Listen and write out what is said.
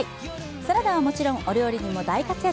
サラダはもちろん、お料理にも大活躍。